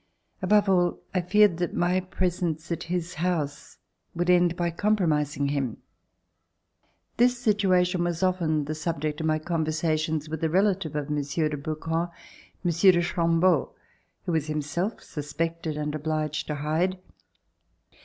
Above all, I feared that my presence at his house would end by compromising him. This situation was often the subject of my [iSi] RECOLLECTIONS OF THE REVOLUTION conversations with a relative of Monsieur de Brou quens, Monsieur de Chambeau, who was himself suspected and obliged to hide.